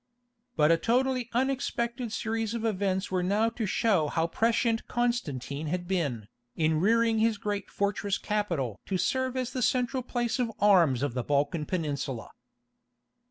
But a totally unexpected series of events were now to show how prescient Constantine had been, in rearing his great fortress capital to serve as the central place of arms of the Balkan Peninsula.